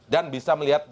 dan bisa melihat